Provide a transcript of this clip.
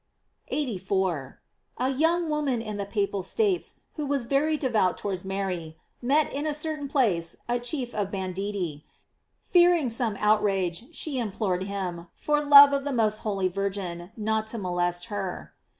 * 84. — A young woman in the Papal States, who was very devout towards Mary, met in a certain place a chief of banditti. Fearing some outrage, she implored him, for love of the most holy Virgin, not to molest her.